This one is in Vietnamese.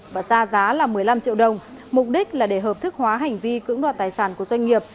và ra giá là một mươi năm triệu đồng mục đích là để hợp thức hóa hành vi cưỡng đoạt tài sản của doanh nghiệp